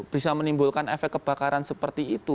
bisa menimbulkan efek kebakaran seperti itu